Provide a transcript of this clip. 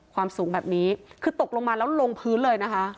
ความสูงแบบนี้คือตกลงมาแล้วลงพื้นเลยนะคะ